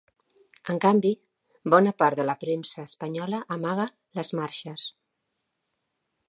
En canvi, bona part de la premsa espanyola amaga les marxes.